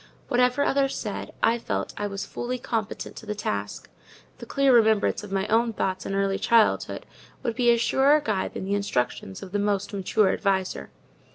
Whatever others said, I felt I was fully competent to the task: the clear remembrance of my own thoughts in early childhood would be a surer guide than the instructions of the most mature adviser.